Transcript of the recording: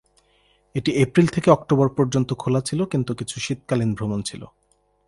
এটি এপ্রিল থেকে অক্টোবর পর্যন্ত খোলা ছিল কিন্তু কিছু শীতকালীন ভ্রমণ ছিল।